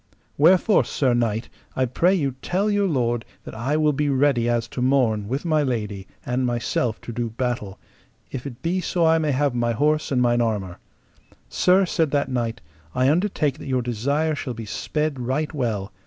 Wherefore, sir knight, I pray you tell your lord that I will be ready as to morn with my lady, and myself to do battle, if it be so I may have my horse and mine armour. Sir, said that knight, I undertake that your desire shall be sped right well.